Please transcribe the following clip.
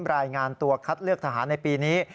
รายงานตัวคัดเลือกทหารในปีนี้